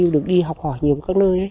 được đi học hỏi nhiều các nơi